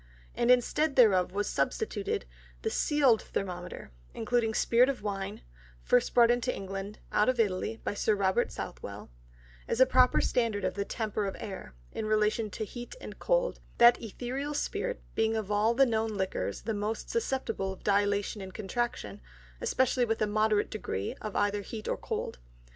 And instead thereof was substituted the seal'd Thermometer, including Spirit of Wine (first brought into England, out of Italy, by Sir Robert Southwell) as a proper Standard of the temper of the Air, in relation to Heat and Cold; that Ætherial Spirit being of all the known Liquors the most susceptible of Dilatation and Contraction, especially with a moderate degree of either Heat or Cold.